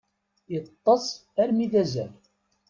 Iṭṭes armi d azal.